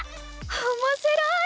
おもしろい！